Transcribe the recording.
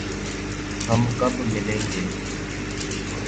ہم کب ملیں گے؟